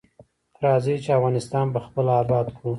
راځی چی افغانستان پخپله اباد کړو.